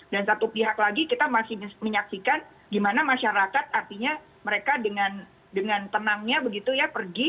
dan satu pihak lagi kita masih menyaksikan gimana masyarakat artinya mereka dengan tenangnya begitu ya pergi